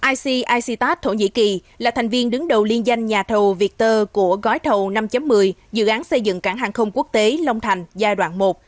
icictas thổ nhĩ kỳ là thành viên đứng đầu liên danh nhà thầu vietter của gói thầu năm một mươi dự án xây dựng cảng hàng không quốc tế long thành giai đoạn một